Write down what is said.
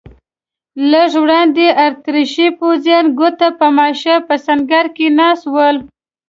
لږ وړاندې اتریشي پوځیان ګوته په ماشه په سنګر کې ناست ول.